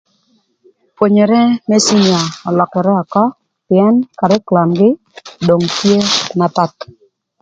Pwonyere më cinia ölökërë ökö pïën karikulamgï dong tye na path.